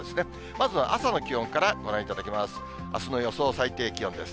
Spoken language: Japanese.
まずは朝の気温からご覧いただきます。